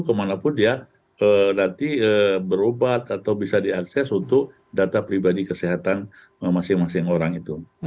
kemanapun dia nanti berobat atau bisa diakses untuk data pribadi kesehatan masing masing orang itu